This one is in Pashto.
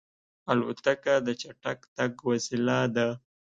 الوتکه د چټک تګ وسیله ده.